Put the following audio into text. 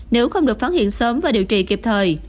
nếu không được phát hiện sớm và điều trị kịp thời